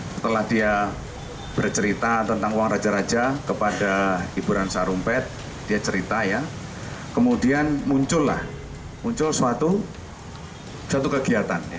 setelah dia bercerita tentang uang raja raja kepada ibu ransa rumpet dia cerita ya kemudian muncullah muncul suatu kegiatan